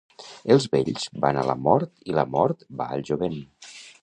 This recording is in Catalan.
Els vells van a la mort i la mort va al jovent.